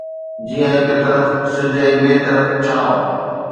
جيئن هڪ طرف سج ۽ ٻئي طرف ڇانو